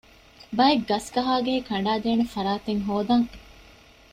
ބައެއް ގަސްގަހާގެހި ކަނޑައިދޭނެ ފަރާތެއް ހޯދަން